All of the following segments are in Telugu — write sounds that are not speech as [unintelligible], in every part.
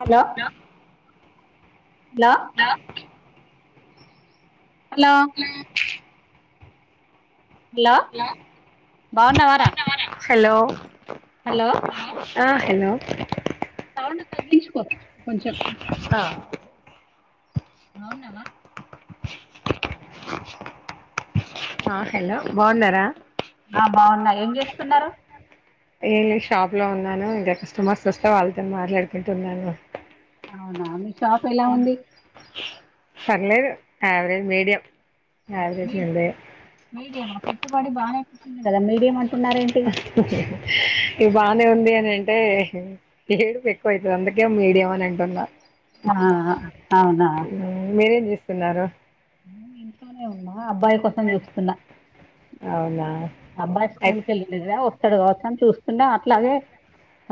Hello hello hello hello hello బాగున్నావారా హలో హలో ఆ హలో అవును తగ్గించుకో కొంచెం ఆ బావున్నావా ఆ హలో బాగున్నారా ఆ బాగున్నా ఏం చేస్తున్నారు ఏం లేదు షాప్ లో ఉన్నాను ఇంకా కస్టమర్స్ వస్తే వాళ్ళతో మాట్లాడుకుంటున్నాను అవునా మీ షాప్ ఎలా ఉంది పర్లేదు ఎవరేజ్ మీడియం యావరేజ్ మీది ఉంది మీడియమా పెట్టుబడి బాగా పెట్టారు కదా మీడియం అంట బానే ఉంది అని అంటే ఏడుపు ఎక్కువ అయితది అందుకే మీడియం అని అంటున్నా ఆ అవునా తిన్నారా ఇంట్లోనే ఉన్నా అబ్బాయి కోసం చూస్తున్నా అవునా అబ్బాయి అయి స్కూల్ కెళ్ళిండు కద అక్కడు కావచ్చ అని చూస్తుండా అట్లాగే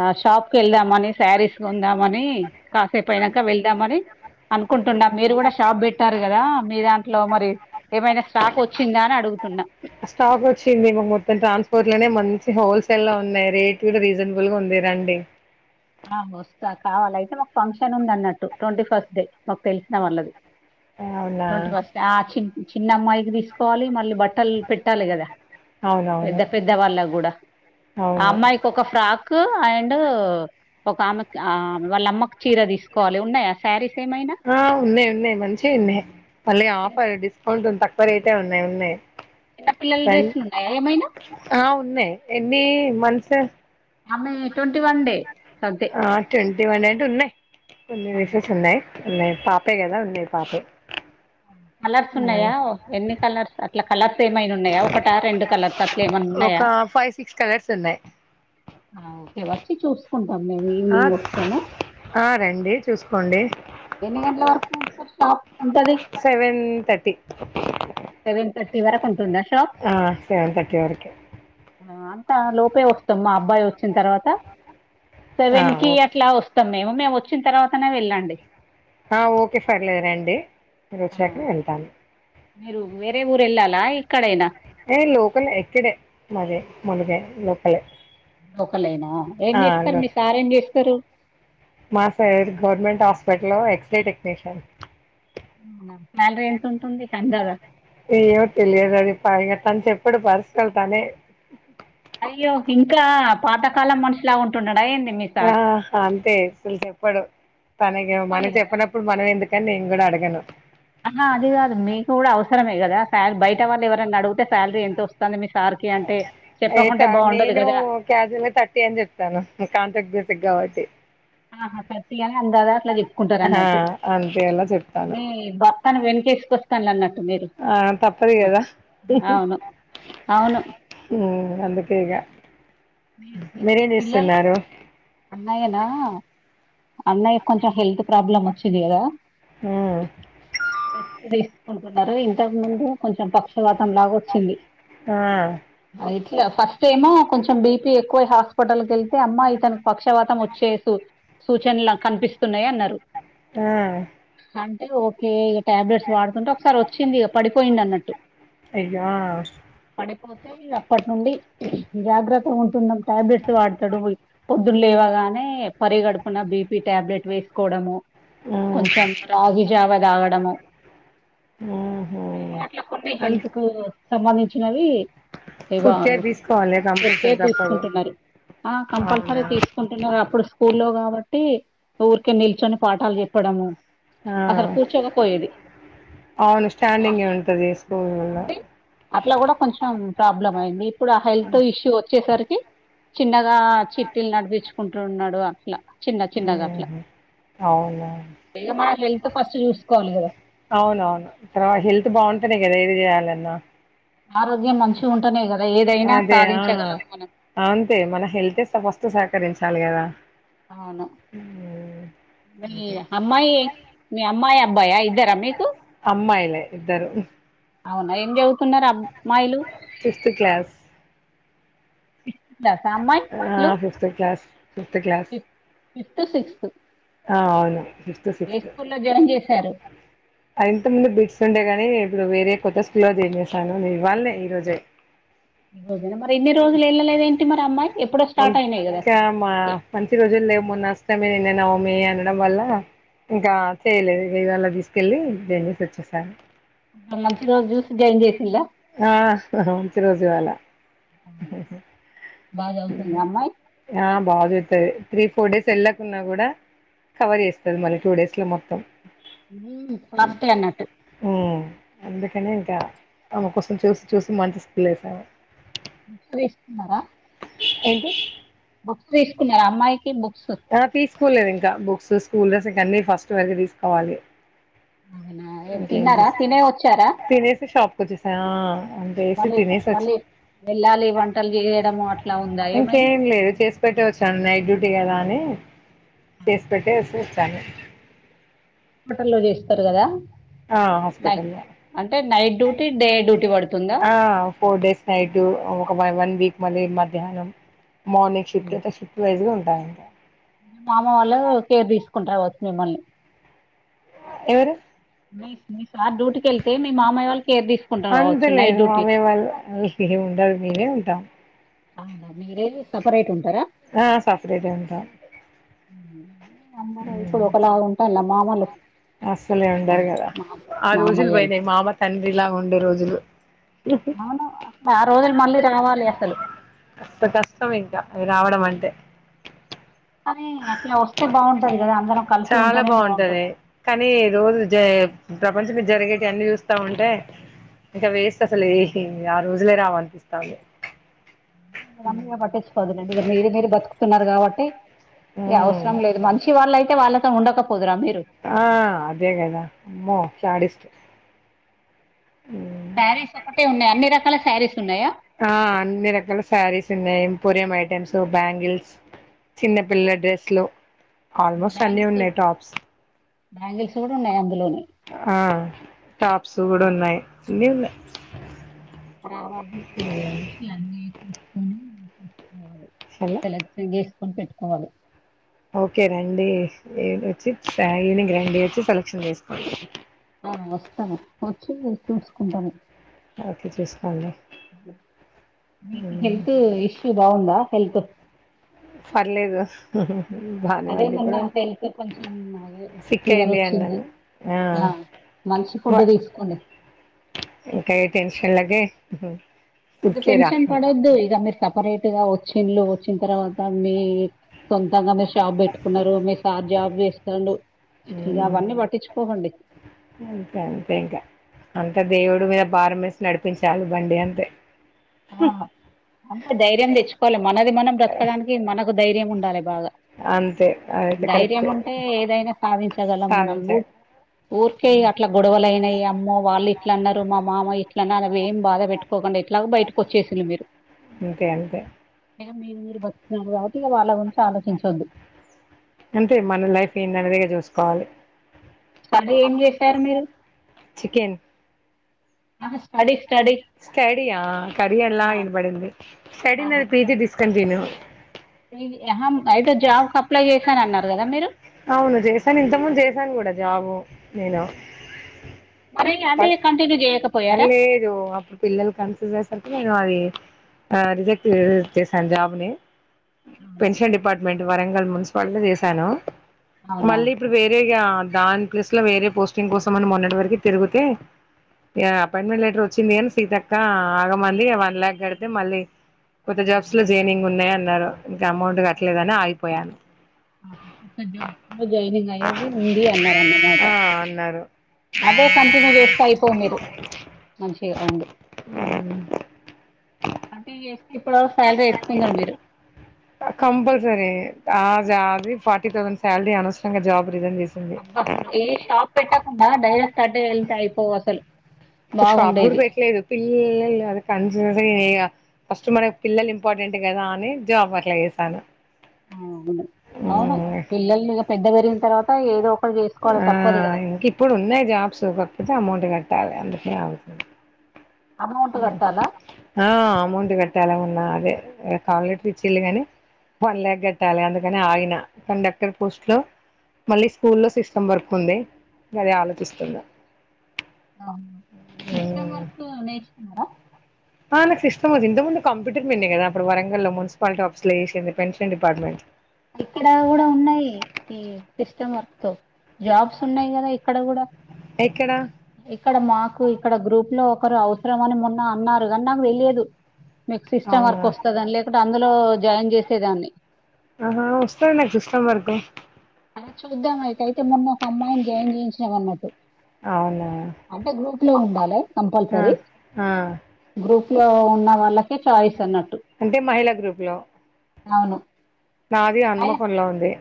ఆ షాప్ కి వెళ్దామని శారీస్ కొందామని కాసేపు అయినాక వెళ్దామనీ అనుకుంటున్నా మీరు కూడా షాప్ పెట్టారు కదా మీ దాంట్లో మరి ఏమైనా స్టాక్ వచ్చ చింద అని అడుగుతున్నా స్టాక్ వచ్చింది మొత్తం ట్రాన్స్పోర్ట్ లోనే మంచి హోల్సేల్ లో ఉన్నాయి రేట్ కూడా రీజనబుల్ గా ఉంది అం తె రండి ఆ వస్తా కావాల అయితే మాకు ఫంక్షన్ ఉంది అన్నట్టు ట్వంటీ ఫస్ట్ డే మాకు తెలిసినా వాళ్ళది అవునా ట్వంటీ ఫస్ట్ ఆ చి చిన్న అమ్మాయికి తీసుకోవాలి మళ్ళీ బట్టలు పెట్టాలి కదా పెద్ద అవునవును పెద్ద వాళ్ళ కూడా ఆ అవును అమ్మాయికి ఒక ఫ్రాక్ కొఅండ్ ఒక ఆమె కిల వాళ్ళ అమ్మకు చీర తీసుకోవాలి ఉన్నాయా శారీస్ ఏమైనా ఆ ఉన్నాయి ఉన్నాయి మంచివి ఉన్నాయి మళ్ళీ చిన్న ఆఫర్ డిస్కౌంట్ తక్కువ రేతేే ఉన్నాయి ఉన్నాయి చిన్న పిల్లల రండి డ్రెస్లు ఉన్నాయా ఏమైనా ఆ ఉన్నాయి ఎన్ని మంత్స్ అ మెట్వంటీ వన్ డే అంతే ఆ ట్వంటీ వన్ అడ్ ఉన్నాయి కొన్ని డ్రెస్సెస్ ఉన్నాయి ఉన్నా పాపే కదా ఉంది పాపే కలర్స్ ఉమ్, ఉన్నాయా ఎన్ని కలర్స్ అట్లా కలర్స్ ఏమైనా ఉన్నాయా ఒకట రెండు కలర్స్ అట్లా ఏమన్నా ఒక ఫైవ్ సిక్స్ కలర్స్ ఉంది ఆ ఓకే వచ్చి చూసుకుండి స ఆ ఈవినింగ్ వస్త ఆ రండి చూసుకోండి ఎన్ని గంటల వరకు షాప్ ఉంటది సెవెన్ థర్టీ సెవెన్ థర్టీ వరకు ఉంటుద ఆ సెవెన్ తర్టీ వరకె అలోపే వస్తాం మా అబ్బాయి వచ్చిన తర్వాత ఆ సెవెన్ కి ఓకే అట్లా వస్త వస్తాం మేము వచ్చిన తర్వాతనే వెళ్ళండి ఆ ఓకే పర్లేదు రండి మీరు వచ్చాక వెళ్తా మ్ మీరు వేరే ఊరెళ్లల ఇక్కడేనా ఏ లోకల్ ఎక్కడ మాది ములుగ లోకలే లోకలైనా ఏం ఆ చేస్తారు మీ లోకలే సార్ ఏం చేస్తారు మా సర్ గవర్నమెంట్ హాస్పిటల్లో ఎక్స్రే టెక్నీషియన్ శాలరీ ఎంత ఉంటుంది అందత ఏంమో తెలియదు అది పైగా తను చెప్పుడు పర్సనల్ తనే అయ్యో ఇంకా పాతకాలం మనుషులా ఉంటున్నాడా యిమి ఆ అంతే అసలు చెప్పాడు తనకి చెప్పాలి మనం కదా చెప్పినప్పుడు మనం ఎందుకు కానీ నేను కూడా అడగను అ నఅది కాదు మీకు కూడా అవసరమే కదా ఫ బయట వాళ్ళు ఎవరైనా అడుగు శాలరీ ఎంత వస్తుంది మీ సార్కి అంటే చెప్పకుంటే బాగుండదు నేను కదా క్యాజువల్గా థర్టీ అని చెప్తాను కాంట్రాక్ట్ బేసిక్ కాబట్టి ఆహా పెతయ అందాదా అట్లా చిప్ కుంటారు ఆ! అన్నట్టు అంతే అలా చెప్తాను. మీ భర్తానికి వెనుకేసుకొస్త ఆ తప్పది కదా అవును అవును అందుకే గ ఇక మీరేం పిల్లలు చేస్తున్నారు అన్నయ్యనా అన్నయ్య కొంచెం హెల్త్ ప్రాబ్లం వచ్చిది కదా హ్మ్. అ కొనుకున్నారు ఇంతకు ముందు కొంచెం పక్షవాతం లాగ వచ్చింది ఆ ఫస్ట్ ఏమో కొంచెం బీపీ ఎక్కువై హాస్పిటల్కి వెళ్తే అమ్మాయితనికి పక్షవాతం వచ్చే సూచనలు కనిపిస్తున్నాయి అన్నారు ఆ అంటే ఓకే ఇగ టాబ్లెట్స్ వాడుతుంటే ఒకసారి వచ్చింది ఇగ పడిపోయింది అన్నట్టు అయ్యో ఆ పోతే ఇగ అప్పటి నుండి జాగ్రత్త ఉంటున్నాం టాబ్లెట్స్ వాడుతడు ఒయ్ పొద్దున్ లేవగానే పరిగడుపున బీపి టాబ్లెట్ వేసుకోడము ఆ! హ్మ్. కొంచం రాగి జావ తాగడము ఓహో అట్ల కొన్ని అన్ హెల్త్ కు సంబంధించినవి ఇవ ఫుడ్ కేర్ ఒకే తీసుకోవాలి ఇగ కంపల్సరీ కేర్ తప్పదు తీసుకుంటున్నరు ఆ కంపల్స సరే అవునా తీసుకుంటున్నారు అప్పుడు స్కూల్లో కాబట్టి ఊరికే నిల్చొని పాఠాలు చెప్పడము. ఆ అసలు కూర్చోకపోయేది. అవును అ స్టాండింగే ఉంటది ఉ స్కూల్లో వుంది అట్ల కూడా కొంచెం ప్రాబ్లమ్ అయింది ఇప్పుడు ఆ హెల్త్ ఇష్యూ వచ్చేసరికి చిన్నగా చిట్ టిలు నడిపించుకుంటున్నడు అట్లా చిన్న చిన్నగ అట్లా ఊహు అవునా ఇగ మన హెల్త్ ఫస్ట్ చూసుకోవాలి కదా అవునవును తర్వా హెల్త్ బాగుంటనే కదా ఏది చేయాలన్నా ఆరోగ్యం మంచిగుంటనే కదా ఏదైనా అదే ఆ సాధించగలం మనం అంతే మన హెల్త్ స ఫస్ట్ సహకరించాలి కదా అవును ఊమ్ మీ అంతే అమ్మాయి మీ అమ్మాయి అబ్బాయా ఇద్దరా మీకు అమ్మాయిలే ఇద్దరు అవునా ఏం చదువుతున్నారు అబ్మాయిలు ఫిఫ్త్ క్లాస్ ఆ అమ్మాయిలు fifth class fifth class fifth sixth ఆ అవును ఫిఫ్త్ ఏ స్కూల్ లో జాయిన్ చేశారు ఆ ఇంతక్ ముందు బిడ్స్ ఉండే గాని ఇప్పుడు వేరే కొత్త స్కూల్లో జెన్ చేసాను నే ఇవ్వాల్నే ఈ రోజే ఈ రోజేనా మరి ఇన్ని రోజులు వెళ్ళలేదేంటి మరి ఆ అమ్మాయి ఎప్పుడో స్టార్ట్ అయినాయి కదా ఇంకామ్మా మంచి రోజులు లేవు మొన్న అష్టమి నిన్న నవ మీ అనడం వల్ల ఇంకా చేయలేదు ఇవాల తీసుకెళ్ళి జేన్ జేసీ వచ్చేసాను ఆ మంచి రోజు జ్యూసి జాయిన్ చేసిల ఆ మంచి రోజు ఇవాల బా జదుతుందా అమ్మాయి ఆ బాగా చతది త్రీ ఫోర్ డేస్ వెళ్ళకున్నా కూడా కవర్ చేస్తది మళ్ళి టూ డేస్ ల మొత్తం ఫస్టే అబ్బో అన్నట్టు ఊ అందుకనే ఇంకా ఆమె కోసం చూసి చూసి మంచి స్కూల ఏసాను ముక్క వేస్తున్నారా ఏంటి బుక్స్ తీసుకున్నారు అమ్మాయికి బుక్ ఆ తీసుకోలేదు ఇకా బుక్స్ స్కూల్ డ్రెస్ అన్ని ఫస్ట్ వరకె తీసుకోవాలి అవునా ఇంకేం తిన్నారా దీస్ తినే వచ్చారా తినేసి షాప్ కొచ్చేసా అంతేసీ మళ్ళీ తినేసొచ్చి మళ్ళీ వెళ్ళాలి వంటలు చేయడము అట్లా ఉందా ఏమైనా ఇంకేం లేదు చేసి పెట్టే వచ్చాను నైట్ డ్యూ టి కదాని చేసి పెట్టే వచ్చేసాను హోటల్లో చేస్తరు కదా ఆ నైట్ హాస్పిటల్ లో అంటే నైట్ డ్యూటీ డే డ్యూటీ పడుతుందా ఆ ఫోర్ డేస్ సైటు ఒక వన్ వీక్ మళ్ళీ మధ్యాహ్నం మార్నింగ్ షిఫ్ట్ అయితే షిఫ్ట్ వైజ్ గా ఉంటాం ఇంక మామ వాళ్ళు కేర్ తీసుకుంటరు అవచ్చు మిమ్మల్ని ఎవరు తీస్ [unintelligible] [unintelligible] సార్ డ్యూటీకి వెళ్తే మీ మామయ్య వాళ్ళు కేర్ తీసుకుంటరు అంత కావచ్చు నైట్ లేదు డ్యూటీ ఉంటా అవునా మీరెంది సపరేట్ ఉంటరా ఆ సపరేటే ఉంటాం అందరూ ఇప్పుడు హ్మ్. ఒకలాగా ఉంటాల్లా మామలు అస్సలే ఉండారు కదా మా ఆ రోజులు మామయ్యలు పోయినాయి మామ తండ్రిలాగా ఉండే రోజులు అవును ఆ రోజులు మళ్ళీ రావాలి అసలు అష్ట కష్టం ఇంకా అయి రావడం అంటే కానీ అట్లా వస్తే బాగుంటది కదా అందరం కలిసి చాలా ఉంటేనే బాగుంటది కానీ రోజు జై ప్రపంచ మీద జరిగేటి వన్ని చూస్తా ఉంటే ఇంకా వేస్ట్ అసలే ఏ ఆ రోజులే రావనిపిస్తాంది అవన్నీ పట్టించుకోవదులేండి మీరు మీరు బతుకుతున్నారు కాబట్టి ఇగ ఉమ్ అవసరం లేదు మంచి వాళ్ళయితే వాళ్ళతో ఉండకపోదురా మీరు ఆ అదే కదా అమ్మో శాడిస్ట్ సారీస్ ఒకటే ఉన్నాయి అన్ని రకాల సారీస్ ఉన్నాయా పొరియంమ్ ఐటెమ్స్ బ్యాంగిల్స్ చిన్నపిల్లల డ్రెస్లు ఆల్మోస్ట్ అన్ని బ్యాంగిల్స్ ఉన్నాయి టాప్స్ బ్యాంగిల్స్ కూడా ఉన్నాయి అన్ని ఆ టాప్స్ కూడా ఉన్నాయి అన్ని ఉన్నాయి ఆహా అది హలో సెలెక్షన్ చేసుకొని పెట్టుకోవాలి ఒకే రండి వచ్చి ఈవినింగ్ రండి వచ్చి సెలక్షన్ చేసుకోండి ఆ వస్తాను వచ్చి చూసుకుంటాము ఒకే చూసుకోండి మీకు హెల్త్ ఇష్యూ బాగుందా హెల్త్ పర్లేదు బానే అదే ఉంది మొన్న ఇప్పుడు హెల్త్ కొంచెం అదే సిక్ ఫీవర్ అయింది వచ్చింది అన్నాను ఆ మంచి ఫుడ్ తీసుకోండి ఇంకా ఈ టెన్షన్ లకే ఇకా టెన్షన్ పడొద్దు ఇక మీరు సపరేట్ గా వచ్చిలు వచ్చిన తర్వాత మీ సొంతంగా మీరు షాబ్ పెట్టుకున్నారు మీరు సార్ జాబ్ చేస్తండు ఇగ అవన్నీ పట్టించుకోకండి అంతే అంతే ఇంకా అంత దేవుడి మీద భారం వేసి నడిపించాలి బండి అంతే ఆ అంటే ధైర్యం తెచ్చుకోవాలి మనది మనం బ్రతకడానికి మనకు ధైర్యం ఉండాలి బాగా అంతే అదైతే ధైర్యం కరెక్ట్ ఉంటే ఏదైనా సాధించగలం మనం భు సాధించ ఊరికే అట్లా గొడవలుఅయినాయి అమ్మో వాళ్ళు ఇట్ల అన్నారు మా మామ ఇట్ల అన్నారు అ ఏం బాధ పెట్టుకో ఎట్లాగు బయట అంతే అంతే ఇగ మీరు మీరు బతుకుతున్నారు కాబట్టి వాళ ఉంట్ అంతే మన లైఫ్ ఏంది అనేది ఇగ జూసుకోవాలి కర్రీ ఏం చేసారు మీరు? చికెన్ ఆహ స్టడీస్ స్టడీ యా కర్రీ ఎలా ఆహా ఇనబడింది స్టడీ నాది పిజి డిస్కన్ట్యూ ఆహ అయితే జాబ్ కి అప్లై చేశానన్నారు కదా మీరు? అవును చేశాను ఇంత ముందు చేశాను కూడా జాబు నేను మరే అదే కంటిన్యూ చేయ్యక ప్ కన్లేదు అప్పుడు పిల్లలు కన్సివ్ అయ్యే సరికి ఇగ అది ఆ రిజెక్ట్ చేశాను జాబుని అవునా పెన్షన్ డిపార్ట్మెంట్ వరంగల్ మున్సిపాలిటీ చేశాను అవునా మళ్ళీ ఇప్పుడు వేరే ఇగా దాని ప్లేస్ లో వేరే పోస్టింగ్ కోసం మనం మొన్నటి వరకు తిరుగుతే ఇగ అపాయింట్మెంట్ లెటర్ వచ్చింది కానీ సీతక్క ఆగమంది వన్ ల్యాక్ కడితే మళ్ళీ కొత్త జాబ్స్ లో జైనింగ్ ఉన్నాయ్ అన్నారు. ఇంకా అమౌంట్ కట్టలేదని ఆగిపోయాను ఆహ కొత్త జాబ్ లో జాయినింగ్ అయ్యేసి ఉంది అన్నారన్నమాట ఆ అన్నారు అదే కంటిన్యూ చేస్తే అయిపోంది మీరు మంచిగా ఉండు అంటే ఇ ఇప్పుడు వరకు శాల్రీ ఎత్తుకుందురు మీరు కంపల్సరీ ఆది ఆది ఫార్టీ తౌసండ్ సాల్రీ అనవసరంగా జాబ్ రిజైన్ చేసింది అబ్బా ఏ షాప్ పెట్టకుండా డైరెక్ట్ అటే వెళ్తే అయిపోవు అసల్ అప్పుడు షాప్ కూడా పెట్లేదు పిల్లల్ అది కన్స్ ఇగ ఫస్ట్ మనకు పిల్లలు ఇంపార్టెంట్ కదా అని జాబ్ అట్లా చేసాను ఉమ్ అవును అవును పిల్లలు ఇగ పెద్ద పెరిగిన తర్వాత ఏదో ఒక ఆ ఇంక ఇప్పుడు ఉన్నాయి జాబ్స్ కాకపోతే అమౌంట్ కట్ ట్టాలే అందుకే ఆగుతున్నా అమౌంట్ కట్టాలా ఆ అమౌంట్ కట్టలె ఉన్నా అదే కాాలలెటర్ ఇచ్చిళ్ళు గాని వన్ ల్యాక్ కట్టాలి అందుకని ఆగిన కండక్టర్ పోస్ట్లో మళ్ళీ స్కూల్లో సిస్టమ్ వర్క్ ఉంది అదే ఆలోచిస్తున్నా ఆ సిస్టం వర్క్ నేర్చుకున్నారా? ఆ నాకు సిస్టం అది ఇంత ముందు కంప్యూటర్ మీదనే కదా అప్పుడు వరంగల్ లో మున్సిపాలిటీ ఆఫీసులు చేసింది పెన్షన్ డిపార్ట్మెంట్ ఇక్కడ కూడా ఉన్నాయి ఈ సిస్టమ్ వర్క్ తో జాబ్స్ ఉన్నాయ్ కదా ఇక్కడ కూడా ఎక్కడ ఇక్కడ మాకు ఇక్కడ గ్రూప్ లో ఒకరు అవసరం అని మొన్న అన్నారు కానీ నాకు తెలియదు మీకు సిస్టమ్ అవునా వర్క్ వస్తదని లేకుంటే అందులో జాయిన్ చేసేదాన్ని ఆ వస్తాది నాకు సిస్టం వర్కు అదే చూద్దాం ఐతేతే మొన్న ఒక అమ్మాయిని జాయిన్ చేయించినామన్నట్టు అవునా అంటే గ్రూప్ లో ఉండాలే ఆ కంపల్సరీ ఆ గ్రూప్ లో ఉన్న వాళ్ళకే చాయిస్ అన్నట్ అంటే మహిళా గ్రూప్ లో అవును నాది అన్మకొండ్లో ఉంది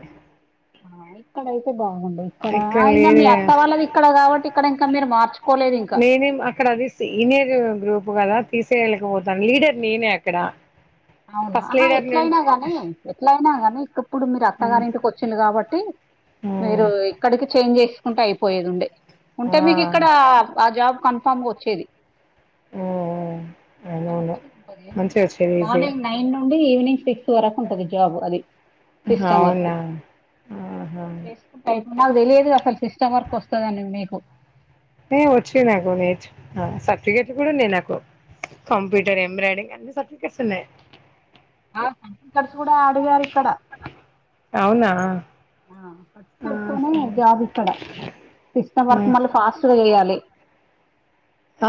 ఆ ఇక్కడైతే బాగుండు ఇక్కడ ఐన మీ అక్క వాళ్ళది ఇక్కడ కాబట్టి ఇక్కడ ఇంకా మీరు మార్చుకో నేనేం అక్కడ అది సీనియర్ గ్రూప్ కదా తీసేయలేకపోతాన్ లీడర్ నేనే అక్కడ అవునా ఫస్ట్ అహ లీడర్ ను ఎట్లయినా గానీ ఎట్లయినా గాని ఇక్కప్పుడు మీరు అత్తగారి ఇంటికి వచ్చిలు కాబ మీరు ఇక్కడికి చేంజ్ చేసుకుంటే అయిపోయేదుండే ఉంటే ఆ మీకు ఇక్కడ ఆ జాబ్ కన్ కన్ఫామ్గా వచ్చేది అవునవును మంచిగా వచ్చేది ఈజీగా మార్నింగ్ నైన్ నుండి ఈవినింగ్ సిక్స్ వరకు ఉంటది జాబు అది సిస్టమ్ వర్క్ అవునా ఆహా నాకు తెలియదు అసలు సిస్టమ్ వర్క్ వస్తదని మీకు టె ఒచ్చు నాకు నేర్చుకున్న సర్టిఫికెట్ గుడ ఉంది నాకు కంప్యూటర్ ఎంబ్రయిడింగ్ అన్ని సర్టిఫికెట్స్ ఉన్నయి ఆ సర్టిఫికెట్స్ కూడా అడిగారు ఇక్కడ అవునా సర్టిఫికెట్స్ తోనే జాబ్ ఇక్కడ సిస్టమ్ వర్క్ మళ్ళ ఆహా ఫాస్ట్గా చేయాలి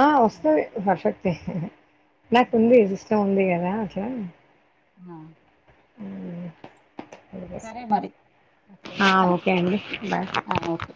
ఆ వస్తది పర్ఫెక్టే నాకు ఉంది సిస్టం ఉంది గ దా ఒకే ఆ ఊ సరే మరి ఓకే ఆ ఉంటాను ఓకే అండి బాయ్ ఓకే